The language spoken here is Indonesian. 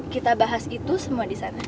kita bahas itu semua di sana